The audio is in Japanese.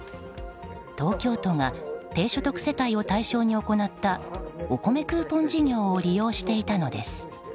東京都が低所得世帯を対象に行ったおこめクーポン事業を利用していたのです。